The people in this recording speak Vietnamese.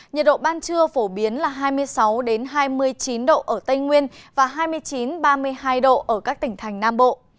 nhiệt độ ban trưa phổ biến là hai mươi sáu hai mươi chín độ ở tây nguyên và hai mươi chín ba mươi hai độ ở các tỉnh thành nam bộ